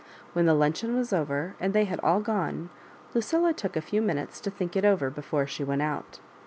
When the luncheon was over and they had all gone, Lu cilla took a few minutes to think it over before she went out.